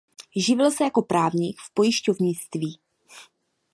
Živil se jako právník v pojišťovnictví.